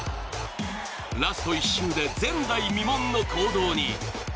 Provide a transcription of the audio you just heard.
ラスト１周で前代未聞の行動に。